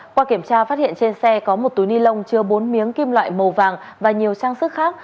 qua kiểm tra phát hiện trên xe có một túi ni lông chứa bốn miếng kim loại màu vàng và nhiều trang sức khác